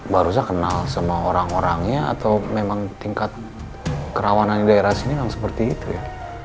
baru saya kenal sama orang orangnya atau memang tingkat kerawanan di daerah sini memang seperti itu ya